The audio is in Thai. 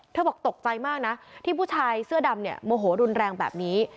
บอกตกใจมากนะที่ผู้ชายเสื้อดำเนี่ยโมโหรุนแรงแบบนี้